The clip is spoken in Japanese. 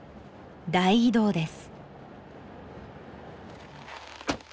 大移動です。